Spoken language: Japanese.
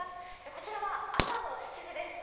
こちらは朝の７時です。